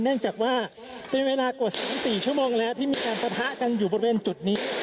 เนื่องจากว่าเป็นเวลากว่า๓๔ชั่วโมงแล้วที่มีการปะทะกันอยู่บริเวณจุดนี้